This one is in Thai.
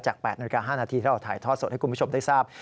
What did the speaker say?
จาก๘นาที๕นาทีถ้าเราถ่ายทอดสดให้คุณผู้ชมได้ทราบ